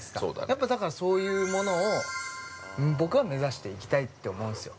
◆やっぱ、だからそういうものを僕は目指していきたいって思うんすよ。